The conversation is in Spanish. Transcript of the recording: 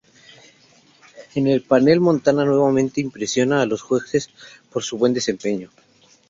En el panel, Montana nuevamente impresiona a los jueces por su buen desempeño.